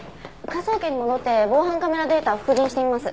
科捜研に戻って防犯カメラデータを復元してみます。